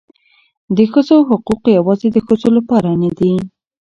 د ښځو حقوق یوازې د ښځو لپاره نه دي.